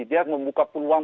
dia membuka pulang